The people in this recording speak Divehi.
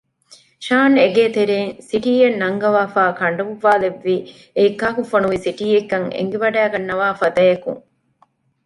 ޝާން އޭގެތެރޭން ސިޓީއެއް ނަންގަވާފައި ކަނޑުއްވާލެއްވީ އެއީ ކާކު ފޮނުވި ސިޓީއެއްކަން އެނގިވަޑައިގަންނަވާ ފަދައަކުން